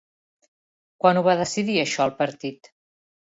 Quan ho va decidir això el partit?